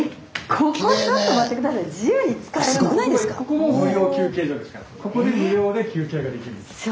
ここで無料で休憩ができるんです。